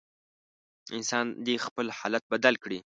انسان دې خپل حالت بدل کړي.